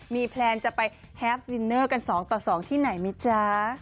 มีแปลนจะไปแฮบดินเนอร์๒ต่อ๒ที่ไหนมั้ยจ๊ะ